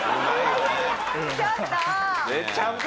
ちょっと！